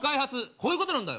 こういうことなんだよ。